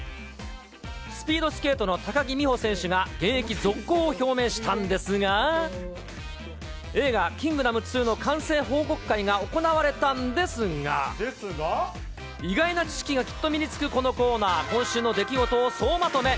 スピードスケートの高木美帆選手が現役続行を表明したんですが、映画、キングダム２の完成報告会が行われたんですが、意外な知識がきっと身につくこのコーナー、今週の出来事を総まとめ！